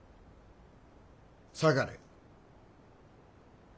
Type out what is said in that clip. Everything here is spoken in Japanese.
下がれ！